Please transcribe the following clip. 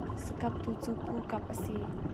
Sakaptu cu Pu Kap a si.